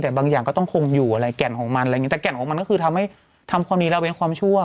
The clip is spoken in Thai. แต่บางอย่างก็ต้องคงอยู่อะไรแก่นของมันอะไรอย่างงีแต่แก่นของมันก็คือทำให้ทำความดีแล้วเว้นความชั่ว